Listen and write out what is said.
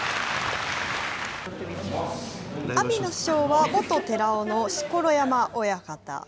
阿炎の師匠は、元寺尾の錣山親方。